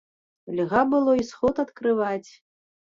Льга было й сход адкрываць.